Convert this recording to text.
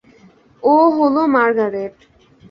ও হল মার্গারেট।